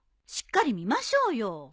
しっかり見ましょうよ。